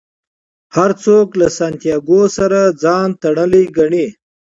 هر څوک له سانتیاګو سره ځان تړلی ګڼي.